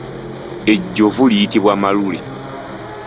Ejjovu liyitibwa malule.